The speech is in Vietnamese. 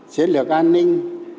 chiến lược an ninh